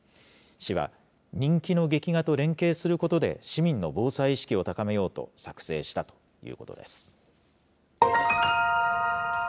市は、人気の劇画と連携することで市民の防災意識を高めようと作成したということです。